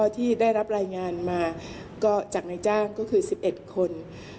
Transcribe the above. ที่ได้รับรายงานมาก็จากนายจ้างก็คือ๑๑คน